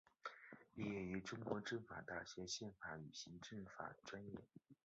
毕业于中国政法大学宪法与行政法专业。